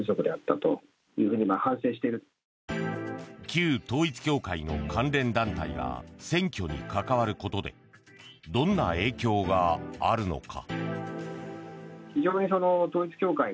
旧統一教会の関連団体が選挙に関わることでどんな影響があるのか。